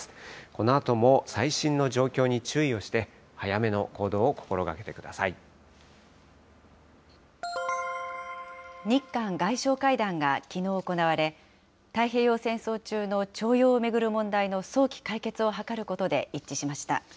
このあとも最新の状況に注意をして、早めの行動を心がけてくださ日韓外相会談がきのう行われ、太平洋戦争中の徴用を巡る問題の早期解決を図ることで一致しまし